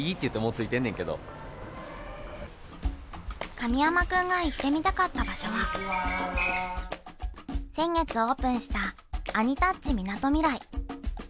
神山君が行ってみたかった場所は、先月オープンした、アニタッチみなとみらい。